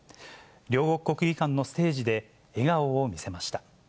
両国国技館のステージで笑顔を見せました。